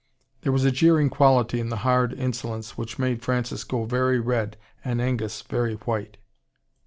There was a jeering quality in the hard insolence which made Francis go very red and Augus very white.